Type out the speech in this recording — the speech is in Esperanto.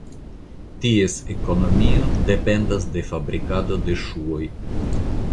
Ties ekonomio dependas de fabrikado de ŝuoj.